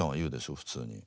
普通に。